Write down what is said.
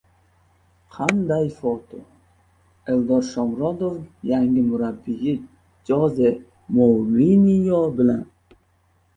Qaynoq foto! Eldor Shomurodov yangi murabbiyi Joze Mourinyo bilan